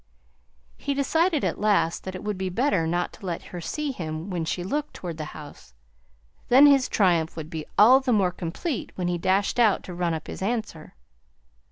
He decided at last that it would be better not to let her see him when she looked toward the house; then his triumph would be all the more complete when he dashed out to run up his answer.